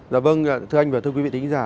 dạ vâng thưa anh và thưa quý vị khán giả